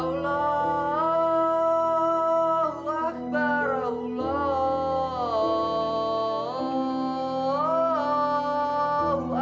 allah hu akbar allah hu akbar